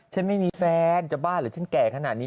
ฉันไม่มีแฟนจะบ้าหรือฉันแก่ขนาดนี้